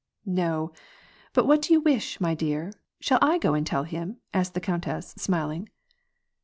" No, but what do you wish, my dear ? Shall I go and tell him ?" asked the countess, smiling.